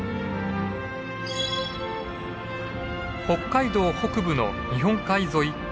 北海道北部の日本海沿い